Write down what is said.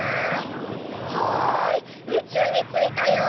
はいうちゅうについたよ。